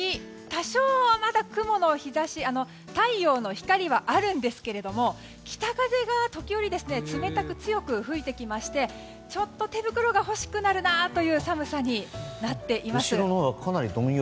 多少はまだ太陽の光はあるんですけれども北風が時折冷たく強く吹いてきましてちょっと手袋が欲しくなる寒さになっています。